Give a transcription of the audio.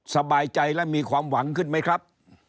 สบายใจและมีความหวังขึ้นไหมครับ